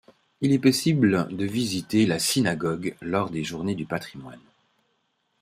Il est possible de visiter la synagogue lors des journées du patrimoine.